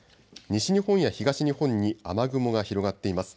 西日本や東日本に雨雲が広がっています。